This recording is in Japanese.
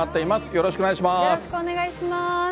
よろしくお願いします。